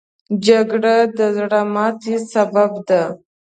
جګړه د زړه ماتې سبب ده